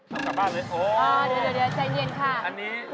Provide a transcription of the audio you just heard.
พี่ตี๋เร็วนิดแล้ว